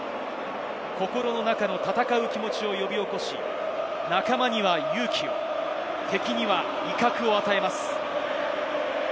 心の中の戦う気持ちを呼び起こし、仲間には勇気を、敵には威嚇を与えます。